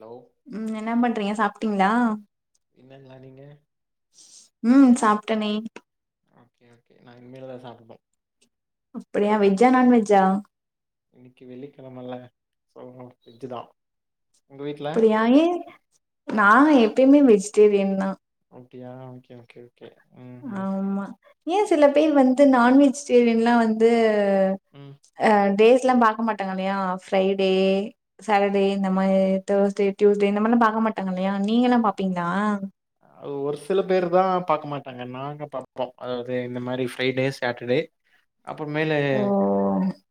Hello உம் என்னா பண்றீங்க சாப் ட்டிங்களா என்னல்லா நீங்க உம் சாப்ட்டனே ஓகே ஓகே நா இன்னிமேலதா சாப்டுவே அப்படியா வெஜ்ஜா நான்வெஜ்ஜா இன்னைக்கு வெள்ளிக்கிழமல சொல்லணு வெஜ்ஜுதா அப்டியா ஏ நா எப்பயுமே வெஜிடேரியன் தா அப்டியா ஓகே ஓகே ஓகே ம் ம் ஆமா ஏன் சில பேர் வந்து நான் வெஜிடேரியன்லா வந்து ம் அ டே லா பாக்க மாட்டாங்க இல்லையா ஃரைடே சாட்டர்டே இந்த மாரி தேர்ஸ்டே ட்யூஸ்டே இந்த மாதிரல்லா பாக்க மாட்டாங்க இல்லையா நீங்கல்லா பாப்பீங்களா அ ஒரு சில பேர் தா பாக்க மாட்டாங்க நாங்க பா ம் அதாவது இந்த மாரி ஃரைடே சாட்டர்டே அப்புற மேலு ஓ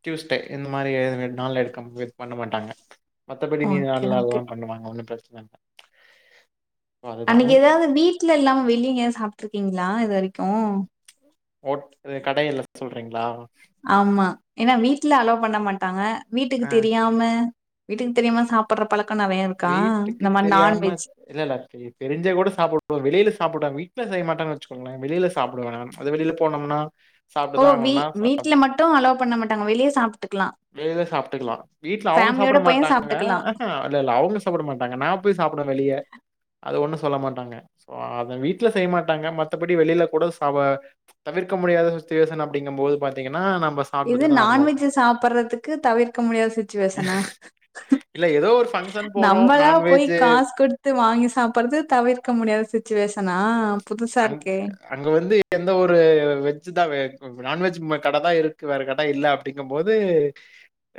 டியூஸ்டே இந்த மாரி நாள்ல எடுக்க இது பண்ண மாட்டாங்க மத்தபடி மீன் ஓகே ல ஓகே தான் பண்ணுவாங்க ஒன்னும் பிரச்சனை [inaudible] அன்னைக்கு ஏதாவது வீட்டுல இல்லாம வெளியங்கயது சாப்பிட்டு இருக்கீங்களா இது வரைக்கு ஹம் ஓ கடைல சொல்றீங்களா ஆமா ஏன்னா வீட்டுல அலவ் பண்ண மாட்டாங்க வீட்டுக்கு ஆ தெரியாம வீட்டுக்கு தெரியாமா சாப்பிடற வீட்டுக்கு தெரியாம இல்ல இல்ல தெரிஞ்ச கூட சாப்பிடுவோம் வெளியில சாப்பிடுன் வீ செய்ய மாட்டங்கனு வச்சுக்கோங்களேன் வெளியில சாப்படுவேன் அது வெளில போனோம்னா சாப்பிட்டு ஓ வ தான் ஆகணும்னா, வீட்ல மட்டும் அலோவ் பண்ண ம ங்க வெளிய சாப்ட் வெள சாப்பிட்டுக்கலாம் வீட்டுல அவங்க சாப்பிட ஃபேமிலியோட போயும் மாட்டாங்க சாப்ட்டுக்கலாம். ஆஹ இல்ல இல்ல அவங்க சாப்பிட மாட்டாங்க நான் போய் சாப்பிடவேன் வெளியே அது ஒண்ணும் சொல்ல மாட்டாங்க அத வீட்டில் செய்ய மாட்டாங்க மத்தபடி வெளியில கூட தவிர்க்க முடியாத சுச்சுவேஷன் அப்படிங்கும் போது பாத்தீங்க ன்னா நம்ம சாப்பிடுதுானே ஆகணும் க்கு தவிர்க்க முடியாத சுச்சுவேஷனா இல்ல ஏதோ ஒரு ஃபங்ஷன் போறோம். நம்மளா நான்வெஜ் போய் காசு கொடுத்து வாங்கி சாப்பிடுறது தவிர்க்க முடியாத சுச்சுவேஷனா ஆஹ் அங அங்க வந்து எந்த ஒரு வெஜு தான் நான்வெஜ் கடை தான் இருக்கு வேற கடை இல்ல அப்படிங்கும் போது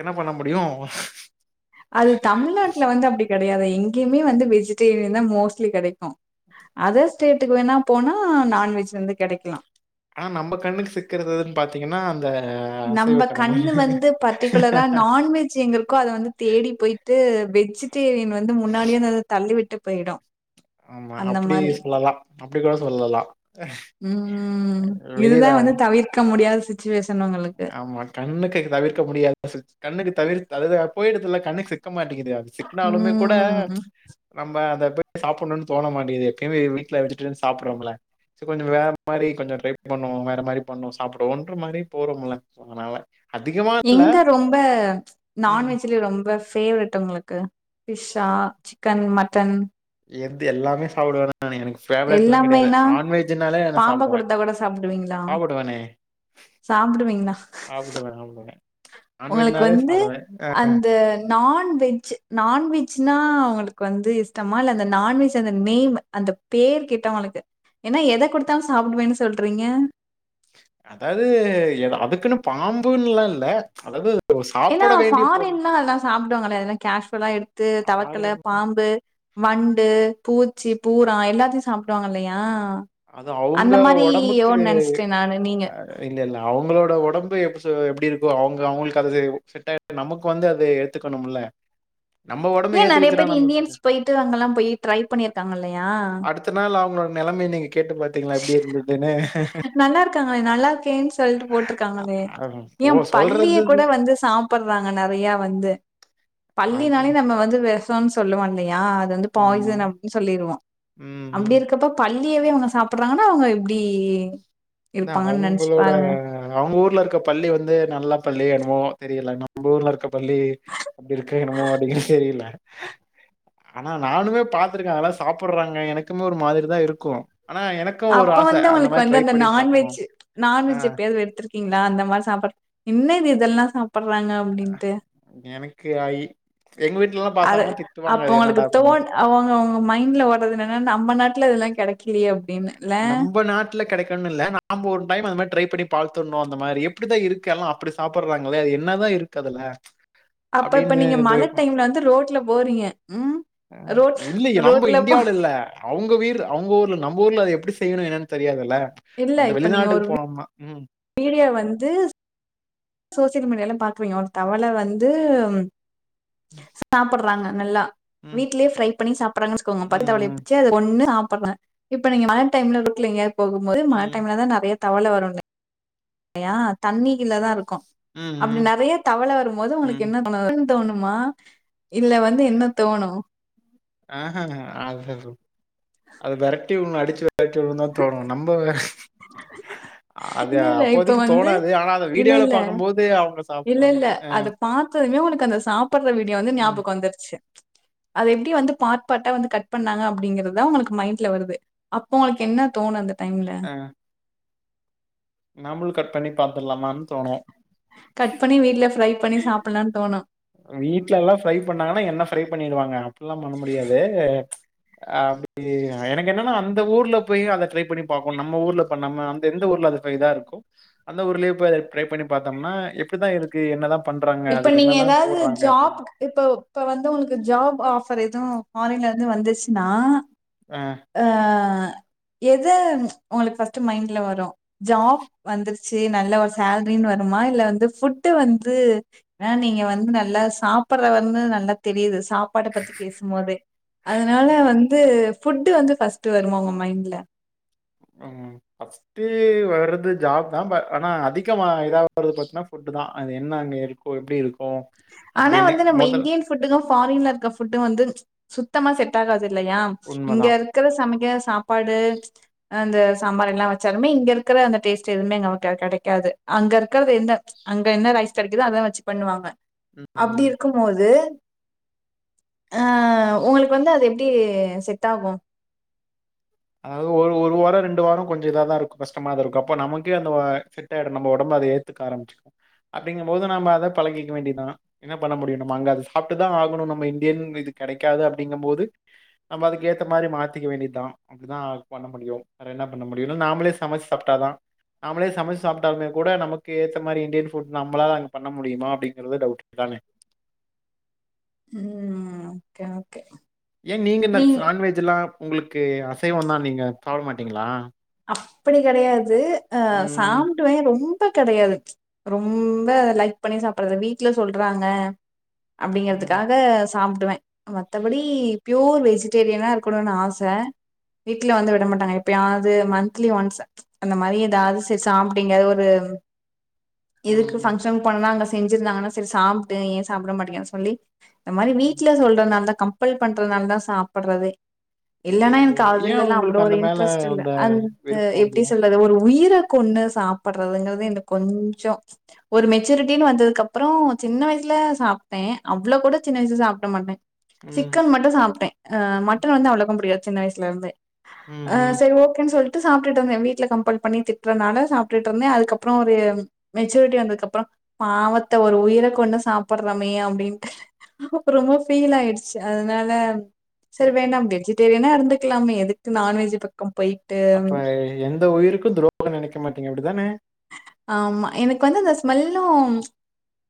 என்ன பண்ண முடியும் அது தமிழ்நாட்டுல வந்து அப்படி கிடையாது எங்கேயுமே வந்து வெஜிடேரியன் தான் மோஸ்ட்லி கிடைக்கும் அதர் ஸ்டேட்டுக்கு வேணா போனா நான்வெஜ் வந்து கிடைக்கலாம் ஆனா நம்ம கண்ணுக்கு சிக்கறதுதுன்னு பாத்தீங்கன்னா அந்த அசைவ நம்ம கடை தானே. கண்ணு வந்து பர்டிகுலரா நான்வெஜ் எங்க இருக்கோ அதை வந்து தேடி போயிட்டு வெஜ்ஜு வந்து முன்னாலேும் அதை தள்ளிவிட்டு போயிடும் ஆமா அப்படி சொல்லலாம் அப்படி கூட சொல்லலாம் உம் வெளியில இதுதான் வந்து தவிர்க்க முடியாது [inaudible] ஆமா கண்ணுக்கு தவிர்க்க முடியாது கண்ணுக்கு தவிடு தவிதா போய்டுதுல்ல கண்ணுக் சிக்க மாட்டகி டே அது சிக்னாலுமே கூட ம் நம்ம அத [inaudible] சாப்பன்ணுன் தோண மாட்டகிது எப்பிமே எ வீட்ல வெஜிடேரியன் சாப்பிட்றவங்கள ச கொஞ்சோ வேற மாரி கொஞ்சோ ட்ரை பண்ணுவோ வேற மாரி பண்ணு சாப்புடுவோன்ற மாரி போறோமுல்ல அதனால அதிகமா இல்ல. எங்க ரொம்ப ம். நான்வெஜ்ல ரொம்ப ஃபேவரெட் உங்குளுக்கு ஃபிஷ்ஷா சிக்கன் மட்டன் எது எல்லாமே சாப்புடுவே ஆனா எனக்கு ஃபேவரேட்லா கெடையாது எல்லாமேனா நான்வெஜ்ஜுன்னாலே நா பாம்ப சாப்புடுவே குடுத்தா கூட சாப்டுவீங்களா சாப்புடுவேனே சாப்டுவீங்களா சாப்புடுவே சாப்புடுவே உங்களுக்கு வந்து அந்த நான்வெஜ் நான் வெஜ்னா அவுங்களுக்கு வந்து இஷ்டமா இல்ல அந்த நான்வெஜ் அந்த நேம் அந்த பேர் கேட்டா உங்களுக்கு ஏன்னா எத குடுத்தாலு சாப்டுவேனு சொல்றீங்க அதாவ்து எடோ அதுக்குன்னு பாம்புன்ல்லா இல்ல அதாவது ஏன்னா சாப்பட வேண்டிய பொருள். ஃபாரின்லா அதெல்லா சாப்டுவாங்களே அதெல்லா கேஷுவலா எடுத்து தவக்கள ஆரோக்கியம். பாம்பு வண்டு பூச்சி பூரா எல்லாத்தியு சாப்டுவாங்கல்லையா அது அவுங்க ஒடம்புக்கு நெனச்சுட்டேன் நானு நீங்க. அ இல்ல இல்ல அவுங்களோட ஒடம்பு எப் து எப்டி இருக்கோ அவுங்க அவுங்குளுக்கு அத செ ஒ செட் [inaudible] நமுக்கு வந்து அது ஏத்துக்கணும்முல்ல ஏ நறைய பேர் இந்தியன்ஸ் போயிட்டு அங்கல்லா போயி டிரை பண்ணிருக்காங்க இல்லையா நெலமைய நீங்கி நல்லாருக்காங்களே நல்லா இருக்கேன் சொல்ட்டு போட்ருக்காங்களே அ போ ஏம் பல்லிய சொல்றது இது. கூட வந்து சாப்பட்றாங்க நறையா வந்து அது பல்லினாலே நம்ம வந்து வ த்தான் சொல்லுவாங்ளே யா அ வந்து ஆமா. பாய்சன் அப்ன் சொல்லிருவோ ம், ம். அப்டிருக்கப்ப பல் ளியவே அவுங்க சா ப்ட்றாங்கனா அவுங்க எப்டி ன்ன இருப்பாங்கன்னு நெனச்சு அவுங்களோட பாருங்க. அவுங் ஊர்ல இருக்க பல்லி வந்து நல்ல பல்லிய என்னுமோ தெரியலனா ம்ப ஊர்ல இருக்க பல்லி அப்டி இருக்கா என்னுமோ டிகிரி செரியில்ல அனா நானுமே பாத்திருக்கே அதெல்லா சாப்புட்றாங்க எனக்குமே ஒரு மாதிரிதா இருக்கூ ஆனா எனக்கூ ஒரு ஆச அந்த மாரி ட்ரை பண்ணி பாக்கணும். நான்வெஜ்ஜு ஆ. நான்வெஜ் எப்பயாது வ எடுத்திருக்கீங்ளா அந்த மார சாப்பட்ற் இன்னு இது இதெல்லா பட்றாங்க அப்டின்ட்டு எனக்கு ஐ எங்க வீட்லலாம் அது பாத்தாங்கன்னா திட்டுவாங்க அப்ப அது என்னடா அவுங்களுக்கு அப்டின்னு. தோண் அவங்க அவங் மைண்ட்ல ஓட்றது என்னன்னா நம்ப நாட்ல இதல்லா கெடக்கிலியே அப்டின் நம்ப நாட்ல கெடைக்குனுன் இல்ல நாம்ப ஒரு பைம் அந்த மார் ட்ரை பண்ணி பால்துண்ணு அந்த மாரி எப்டிதா இருக்கு எல்லா அப்டி சாப்பட்றாங்களே என்னதா இருக்கு அதுல அப்ப இப்ப அப்டின்னு நீங்க மழ ட்ரை பண்ணேன். டைம்ல வந்து ரோட்ல போறீங்க ம் ரோட் இல்ல நம்ம ரோட்ல போ இந்தியாவுல ட்ல அது எப்டி செய்ணு என்னன் தெரியாதுல்ல அந்த வெளிநாடுக் போனம்னா ம் மீடியா வந்து சோசியல் மீடியாலா பாக்குவீங்க ஒரு தவளை வந்து சாப்பட்றாங்க நல்லா ம். வீட்லே ப்ரை பண்ணி சாப்பட்றாங்க வச்சிக்கோங்க பச்ச தவளைய ம். ம். புடிச்சு அதகொன்னு சாப் [unintelligible] இப்ப நீங்க மழ டைம்ல ரோட்ல எங்கயாது போகும்போது மழ ம். டைம்ல தா நறைய தவல வரு யா தண்ணி கிள்ள தா இருக்கு ம். அப்டி ம். நறைய தவல வரும்போது உங்களுக்கு ம். என்ன தோணுது தோணுமா இல்ல வந்து என்ன தோணு ஆஹ்ஹ்ஹ அது அது வேரட்டி விடனு அடிச்சு வேரடி விடணும் தா தோணு நம்ம அது இல்ல இல்ல இப்ப அப்போதைக்கு வந்து தோணாது. ஆனா அத இல்ல வீடியோல இல்ல பார்க்கும்போது அவங்க இல்ல சாப்பிடுறாங்க. இல்ல அ, அத பாத்ததுமே உனக்கு அந்த சாப்படற வீடியோ வந்து ம், ஞாபகம் வந்துருச்சு அது எப்டி வந்து பாட் பாட்டா வந்து கட் பண்ணாங்க அப்டிங்கறதா உங்களுக்கு மைண்ட்ல வருது அப்ப உங்களுக்கு என்ன தோணுது டைம்ல நாம்பலு கட் பண்ணி பாத்துலாமா கட் பண்ணி வீட்டுல ஃப்ரை பண்ணி சாப்பலானு தோணு வீட்ல எல்லா ஃப்ரை பண்ணாங்கன்னா என்ன ஃப்ரை பண்ணிடுவாங்க அப்டிலா பண்ண முடியாது அ அப்டி எனக்கு என்னன்னா அந்த ஊர்ல போய் அத ட்ரை பண்ணி பாக்கூ நம்ம ஊர்ல நம்ம அந்த எந்த ஊர்ல அது இதா இருக்கோ அந்த ஊர்லே போய் அத ட்ரை பண்ணி பாத்தோம்னா எப்டிதா இருக்கு என்னதா பண்றாங்க அதுக்கு என்னதா அது ஜாப் இப்ப இப்ப வந்து உங்களுக்கு ஜாப் ஆஃபர் எது ஃபாரின்ல இருந்து வந்துச்சுன்னா அ, ஆ எத உங்களுக்கு ஃபர்ஸ்ட் மைண்ட்ல வரு ஜாப் வந்துருச்சு நல்ல ஒரு சேலரீனு வருமா இல்ல வந்து புட் வந்து ஆ நீங்க வந்து நல்லா சாப்டறது வந்து நல்லா தெரியுது சாப்பாட பத்தி பேசும்போதே அதனால வந்து ஃபுட்டு் வந்து ஃபர்ஸ்ட்டு வருமோ உங்க மைண்ட்ல பர்ஸ்ட் டு வர்றது ஜாப் தான் ப ஆனா அதிகமா இதாவறது பத்தீங்னா ஃபுட்டு் தா அது என்ன அங்க இருக்கோ எப்படி இருக் ஆனா வந்து நம்ம இந்தியன் ஃபுட்டுக்கும் ஃபாரின்ல இருக்க ஃபுட்டு வந்து சுத்தமா செட் ஆகாது இல்லையா இங்க உண்மதா இருக்கிற சமைக்கிற படு அந்த சாம்பார் எல்லாம் வச்சாலுமே இங்க இருக்கிற அந்த டேஸ்ட் எதுவுமே நமளுக்கு கடைக்காது அங்க இருக்கறது என்ன அங்க என்ன ரைஸ் கிடைக்குதோ அத வெச்சு பண்ணுவாங்க ம் அப்படி இருக்கும் போது அ உங்களுக்கு வந்து அது எப்டி செட் ஆகும் அ ஒரு ஒரு வாரம் ரெண்டு வாரம் கொஞ்சம் இதாதான் இருக்கும் கஷ்டமாதான் இருக்கும் அப்போ நமக்கே அந்த செட்ட ஆயிடும் நம்ம உடம்பு அதை ஏத்துக்க ஆரம்பச்சிடு அப்படிங்கும் போது நம்ம அத பழகிக்க வேண்டிதான் என்ன பண்ண முடியும் நம்ம அங்க அத சாப்ட்டுதான் ஆகணும் நம்ம இந்தியன் இது கிடைக்காது அப்படிங்கும் போது நம்ம அதுக்கு ஏத்த மாரி மாத்திக்க வேண்டியதான் அப்டிதான் பண்ண முடியும் வேற என்ன பண்ண முடியும் இல்ல நாம்ளே சமைச்சு சாப்ட்டாதான் நாமளே சமைச்சு சாப்ட்டாலுமே கூட நமக்கு ஏத்த மாரி இந்தியன் ஃபுட் நம்மளால அங்க பண்ண முடியுமா அப்படிங்கறது டவுட் தானே ம் ஓகே ஓகே ஏன் நீங்க என்ன சான்வெஜ்ல்லாம் உங்களுக்கு அசைவம்னா நீங்க சாப்ட மாட்டீங்களா அப்படி கெடையாது அ ம் சாப்டுவேன் ரொம் ரொம்ப கடையாது ரொம்ப லைக் பண்ணி சாப்படுறது வீட்டு்ல சொல்றாங்க ம் அப்டிங்கிறத்துக்காக சாப்டுவேன் மத்தபடி பியூர் வெஜிடேரியனா இருக்கணும்னு ஆச வீட்டில் வந்து விட மாட்டாங்க எப்பயாது மந்த்லி ஒன்ஸ் அந்த மாரி ஏதாவது சாப்டிங்க ஒரு இதுக்கு ம் ஃபங்க்ஷன் போனனா அங்க செஞ்சிருந்தாங்கன்னா செரி சாப்டு ஏன் சாப்பிட மாட்டேங்கனு சொல்லி இந்த மாரி ம் வீ்ட்ல சொல்றனாலதான் கம்பல் பண்றதுனால தான் சாப்பிட்றதே இல்லன்னா ஓஹோ எனக்கு ஏ அதுல எல்லா அவ்ளோ உங்களுக்கு ஒரு அந்த மேல இன்ட்ரெஸ்ட் இல்ல அந்த விருப்போ எப்படி இல்ல சொல்றது ஒரு உயிர கொண்ணு சாப்படுறதுங்கறது இந்த கொஞ்சம் ஒரு மெச்சூரிட்டின்னு வந்ததுக்கு அப்புறம் சின்ன வயசுல சாப்ட்டேன் அவ்வளோ கூட சின்ன வயசு சாப்ட மாட்டேன் ம் சிக்கன் மட்டும் சாப்பிட்டேன் ஹ் மட்டன் வந்து அவ்வளோக்க முடியாது சின்ன வயசுல இருந்தே ம் அ ம் சரி ஓ ன்ட்டு சொல்ட்டு சாப்டிட்டிருந்தேன் வீட்டுல கம்பல் பண்ணி திட்டுறனால சாப்டிட்டிருந்தேன் அதுக்கப்பறம் ஒரு மெச்சூரிட்டி வந்தது அப்பறம் பாவத்தை ஒரு உயிரை கொன்னு சாப்பிட்றமே அப்படின்ட்டு ரொம்ப ஃபீல் ஆயிடுச்சு அதனால சரி வேனாம் வெஜிடேரியனா இருந்து இருக்கலாமே விட்டு நான்வெஜ் பக்கம் அப்ப எ ன் எந்த உயிருக்கும் துரோம் நினைக்கமாட்டீங்க அப்படிதானே ஆமா எனக்கு வந்து அந்த ஸ்மெல்லும்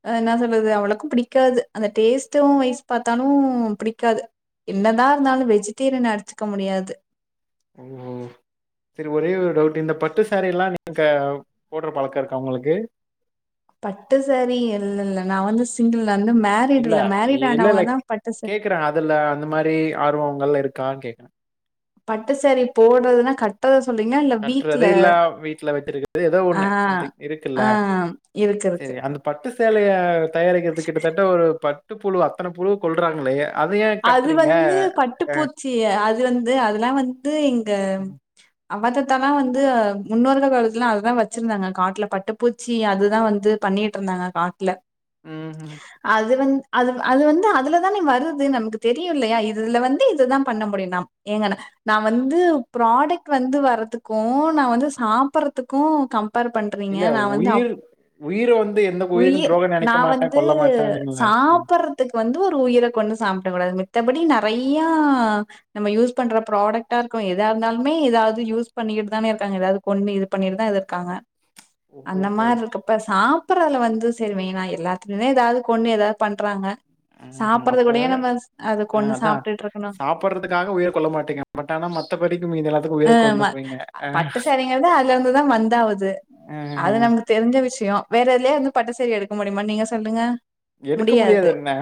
அ என்ன சொல்றது அவ்வளவுக்கும் பிடிக்காது அந்த டேஸ்ட்டும் [unintelligible] பாத்தாலும் பிடிக்காது என்னதான் இருந்தாலும் வெஜிடேரியன் அடிச்சுக்க முடியாது ஓ சரி ஒரே ஒரு டவுட் இந்த பட்டு சாரீ எல்லாம் நீங்க போடுற பழக்கம் இருக்கா உங்களுக்கு பட்டு சாரி இல்ல இல்லங்க நான் வந்து சின்டு இல்ல இல்ல இல்ல பட்டு சா கேக்குறேன் அதுல்ல அந்த மாரி ஆர்வம்ங்கள்ல இருக் கா கேக்கற பட்டுசாரீ போடுறதுன்னா கட்டறது கட்டுறதே இல்ல வீட்ல வெச்சிருக்கிறது ஏதோ ஆ ஒண்ணு சம்திங் இருக்குல்ல ஆ இருக்கு இருக்கு செரி அந்த பட்டு சேலைய தயாரிக்கிறது கிட்டத்தட்ட ஒரு பட் ட்டு புழு அத்தன புழு கொல்றாங்கில்லைங்கே அது வந்து பட்டுப்பூச்சி அது வந்து அதெல்லா வந்து இங்க அப்பா தாத்தாலா வந்து முன்னோர்கள் காலத்துலலா அதுதா வச்சிருந்தாங்க காட்டுல பட்டுப்பூச்சி அதுதா வந்து பண்ணிட்டு இருந்தாங்க காட்டுல ம் ம் அது வந்து அது அது வந்து அதுலதான வருது து நமக்கு தெரியு இல்லையா இதுல வந்து இதுதா பண்ண முடியு ஏங்க நா வந்து பராடக் வந்து வரதுக்கு நா வந்து சாப்பறதுக்கு கம்பேர் பண்றீங்க இல்ல நா வந்து உயிர் உயிரை வந்து எந்த உயிருக்கும் உயிர் துரோகம் நா நினைக்க மாட்டேன் வந்து கொல்ல மாட்டேன்னுங்களே ம். சாப்பறதுக்கு வந்து ஒரு ட்டு உயிர கொன்னு சாப்ட கூடாது மித்தபடி நறையா நம்ம யூஸ் பண்ற ப்ராடக்டா இருக்கு எதா இருந்தாலுமே ஏதாவது யூஸ் பண்ணிட்டுதானே இருக்காங்க ஏதாவது கொன்னு இது பண்ணிட்டுதா எதோ இருக்காங்க அந்த ஓஹோஹோ மார் இருக்கப்ப சாப் சப்புறதுல வந்து செரி வெனா எல்லாத்திலிமே ஏதாவது கொன்னு ஏதாவது பண்றாங்க அ ஹா அப் சாப்பிடுறது இப்ப கூடயே நம்ம அத ஆஹ் கொன்னு அதான் சாப்ட்டுட்டு இருக்கணும். சாப்புடுறதுக்காக உயிர் கொள்ள மாட்டிங்க பட் ஆனா மத்தபடிக்கு [unintelligible] ஆஹ் கொண்டுக்குவீங்க ஆஹ், பட்டிசாரீங்கதா அதுலருந்துதா வந்தாகுது ஆஹா. அது நமக்கு தெரிஞ்ச விஷயோ வேற எதுலயே வந்து பட்டு சாரீ எடுக் முடியுமா நீங்க சொல்லுங்க எடுக்க முடியாது. முடியாதுன்னா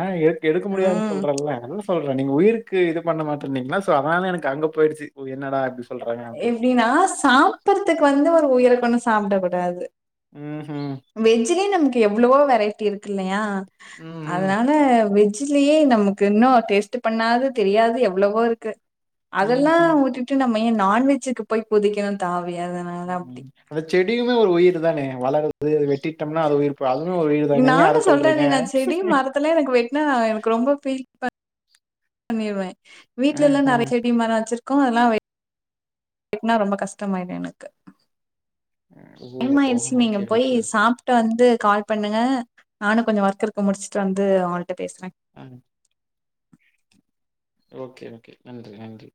எடுக்க முடியாதுன்னு ம். சொல்றல்ல அதனால்ல சொல்றே நீங்க உயிருக்கு இது பண்ண மாட் பண்ணிங்ன்னா சோ அதனால எனக்கு அங்க போயிருச்சு என்னடா இப்டி எப்டின்னா சாப்பறதுக்கு வந்து ஒரு உயிர கொன்னு சாப்டக் கூடாது ம்ஹும். வெஜ்ஜிலே நமக்கு எவ்ளேவோ வெரைட்டி இருக்கு இல்லையா ம்ஹும். அதனால வெஜ் ஜிலயே நமக்கு இன்னு டேஸ்ட்டு பண்ணாது தெரியாது எவ்ளோவோ இருக்கு அதெல்லா ம்ஹும். உட்டுட்டு நம்ம எ பைய நான்வெஜ்ஜுக்கு போய் குதுக்கிறா தாவி அதனால அப்டி. அந்த செடியுமே ஒரு உயிர் தானே வளருது அதுகள வெட் நானு சொல்றனே நா செடி மரத்துல எனக்கு வெட்னா எனக்கு ரொம்ப ஃபீல் ப பண்ணிடுவே வீட்லல்லா கொல்றீங்க நறைய செடி மரோ வெச்சுரு பக்கோ அதெல்லா வெட்னா ரொம்ப கஷ்டமாய்டு எனக்கு ஓ! டைமாய்டுச்சு நீங்க ஓகே, போய் ஓகே, ஓகே. சாப்ட்டு வந்து கால் பண்ணுங்க நானு கொஞ்சோ ஒர்க் இருக்கு முடிச்சுட்டு வந்து ஆன் பேஸ்ர ஆ. ஓகே ஓகே நன்றி நன்றி